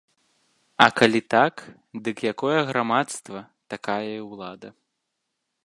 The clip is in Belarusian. А калі так, дык якое грамадства, такая і ўлада.